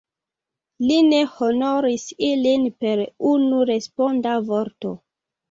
Li ne honoris ilin per unu responda vorto.